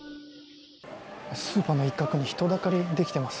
スーパーの一角に人だかりができています。